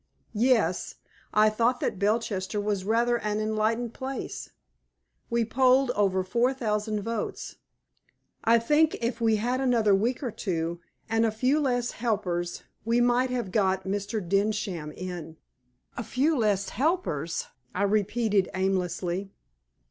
"Yes. I thought that Belchester was rather an enlightened place. We polled over four thousand votes. I think if we had another week or two, and a few less helpers we might have got Mr. Densham in." "A few less helpers!" I repeated, aimlessly.